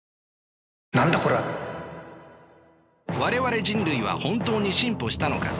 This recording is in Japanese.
我々人類は本当に進歩したのか。